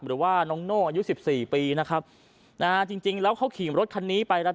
หรือว่าน้องโน่อายุสิบสี่ปีนะครับนะฮะจริงจริงแล้วเขาขี่รถคันนี้ไปแล้ว